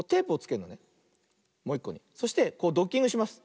そしてこうドッキングします。